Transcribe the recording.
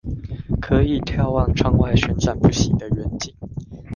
可以眺望窗外旋轉不息的遠景